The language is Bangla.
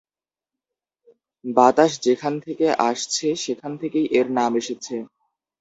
বাতাস যেখান থেকে আসছে সেখান থেকেই এর নাম এসেছে।